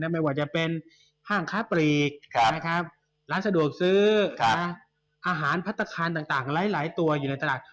ไม่ว่าจะเป็นห้างค้าปลีกร้านสะดวกซื้ออาหารพัฒนาคารต่างหลายตัวอยู่ในตลาด